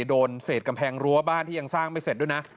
โดนเศษกำแพงรั้วบ้านที่ยังสร้างไม่เสร็จด้วยนะ